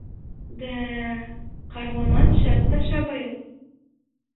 — Дә-ә, Ҡарламан шәп таша быйыл.